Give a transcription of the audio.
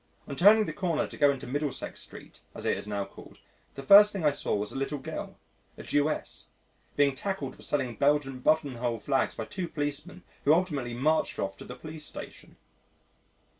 On turning the corner to go into Middlesex Street, as it it now called, the first thing I saw was a little girl a Jewess being tackled for selling Belgian button hole flags by two policemen who ultimately marched her off to the police station.